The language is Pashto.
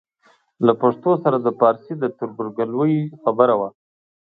له پښتو سره د پارسي د تربورګلوۍ خبره وه.